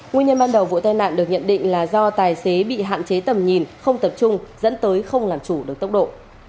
nguyên nhân ban đầu vụ tai nạn được nhận định là do tài xế bị hạn chế tầm nhìn không tập trung dẫn tới không làm chủ được tốc độ